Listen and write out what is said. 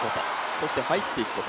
そして入っていくこと。